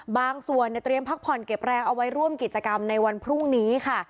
บางส่วนเนี่ยเตรียมพักผ่อนเก็บแรงเอาไว้ร่วมกิจกรรมในวันพรุ่งนี้ค่ะ